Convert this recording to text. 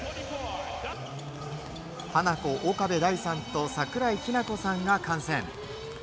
ハナコの岡部大さんと桜井日奈子さんが観戦。